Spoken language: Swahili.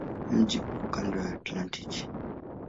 Mji uko kando la Atlantiki.